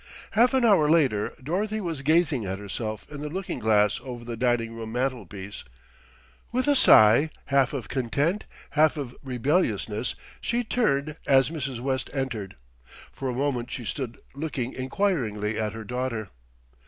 Half an hour later Dorothy was gazing at herself in the looking glass over the dining room mantelpiece. With a sigh half of content, half of rebelliousness she turned as Mrs. West entered. For a moment she stood looking enquiringly at her daughter.